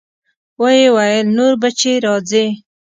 ويې ويل نور به چې راځې.